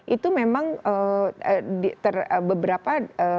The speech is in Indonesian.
itu memang beberapa